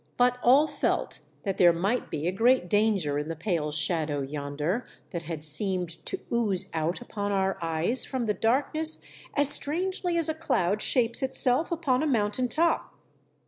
But all felt that there migkt be a great danger in the pale shadow yonder that had seemed to ooze out upon our eyes from the darkness as strangely as a cloud shapes itself upon a mountain top.